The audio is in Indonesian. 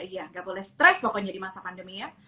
iya nggak boleh stres pokoknya di masa pandemi ya